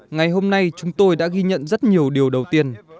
ngày hôm nay chúng tôi đã ghi nhận rất nhiều điều đầu tiên